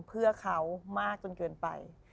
เพื่อเขามากจนเกินไป